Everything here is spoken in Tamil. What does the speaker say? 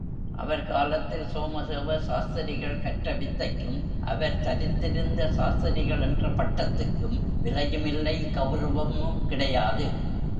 அவர் காலத்தில் சோமதேவ சாஸ்திரிகள் கற்ற வித்தைக்கும் அவர் தரித்திருந்த சாஸ்திரிகள் என்ற பட்டத்துக்கும் விலையுமில்லை, கெளரவமும் கிடையாது.